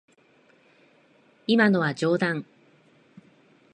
今のは冗談。